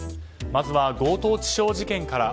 まずは強盗致傷事件から。